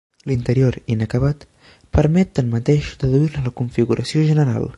L'interior, inacabat, permet tanmateix deduir-ne la configuració general.